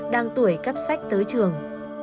đang tuổi cắp sách tới trường